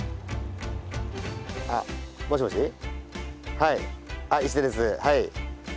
はい。